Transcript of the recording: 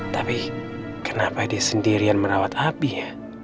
tapi kenapa dia sendirian merawat apinya